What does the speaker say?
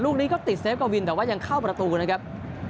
ลูกนี้ก็ติดเซฟกวินแต่ว่ายังเข้าประตูนะครับ